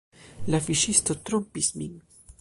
"La fiŝisto trompis min."